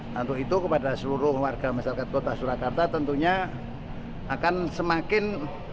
nah untuk itu kepada seluruh warga masyarakat kota surakarta tentunya akan semakin